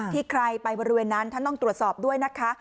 ใครไปบริเวณนั้นท่านต้องตรวจสอบด้วยนะคะ